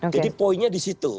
jadi poinnya di situ